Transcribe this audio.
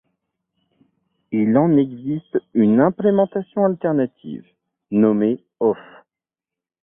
Il en existe une implémentation alternative, nommée aufs.